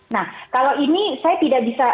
nah kalau ini saya tidak bisa